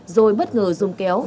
rồi bất ngờ dùng kéo